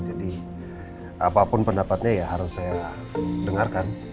apapun pendapatnya ya harus saya dengarkan